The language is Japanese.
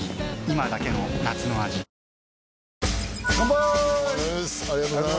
今だけの夏の味乾杯！